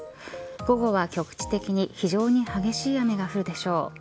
午後は局地的に非常に激しい雨が降るでしょう。